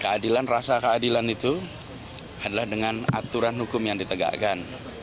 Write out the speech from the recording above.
keadilan rasa keadilan itu adalah dengan aturan hukum yang ditegakkan